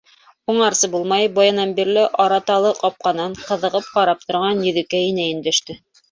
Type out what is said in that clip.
Уңарсы булмай, баянан бирле араталы ҡапҡанан ҡыҙығып ҡарап торған Йөҙөкәй инәй өндәште: